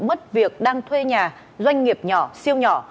mất việc đang thuê nhà doanh nghiệp nhỏ siêu nhỏ